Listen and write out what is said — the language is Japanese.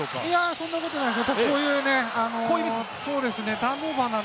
そんなことないです。